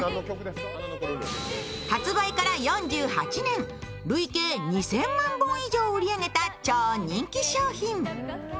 発売から４８年、累計２０００万本以上を売り上げた超人気商品。